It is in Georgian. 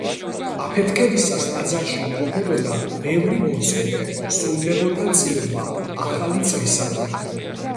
აფეთქებისას ტაძარში იმყოფებოდა ბევრი მორწმუნე, სრულდებოდა წირვა ახალი წლისადმი.